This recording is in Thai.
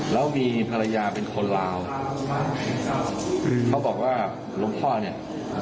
แล้วมีพลายาเป็นคนราวมีเขาบอกว่าล้มพ่อนี้เอ่อ